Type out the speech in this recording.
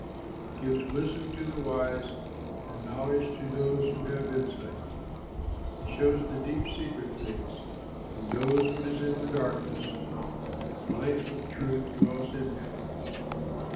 He gives wisdom to the wise, And knowledge to those who have insight. He shows the deep, secret things; He knows what is in the darkness, And the light of truth dwells in him.